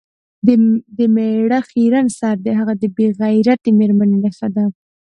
د میړه خیرن سر د هغه د بې غیرتې میرمنې نښه ده.